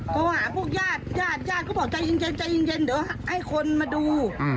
โทรหาพวกญาติญาติก็บอกใจเย็นใจเย็นเดี๋ยวให้คนมาดู